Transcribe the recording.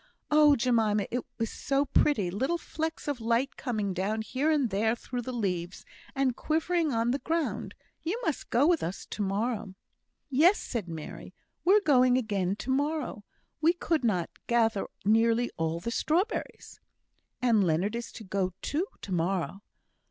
Oh, Jemima, it was so pretty little flecks of light coming down here and there through the leaves, and quivering on the ground. You must go with us to morrow." "Yes," said Mary, "we're going again to morrow. We could not gather nearly all the strawberries." "And Leonard is to go too, to morrow."